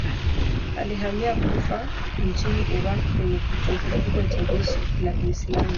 Alihamia Kufa nchini Irak penye kituo kikubwa cha jeshi la Uislamu.